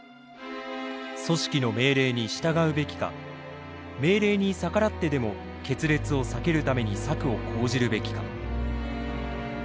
組織の命令に従うべきか命令に逆らってでも決裂を避けるために策を講じるべきか。